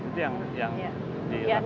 itu yang diilangkan